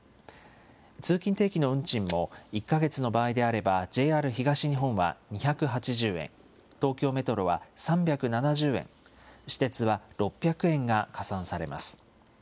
通勤定期の運賃も、１か月の場合であれば、ＪＲ東日本は２８０円、東京メトロは３７０円、私鉄は６００円が加算されます。